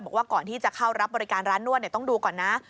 บอกว่าก่อนที่จะเข้ารับบริการร้านนวดต้องดูก่อนนะ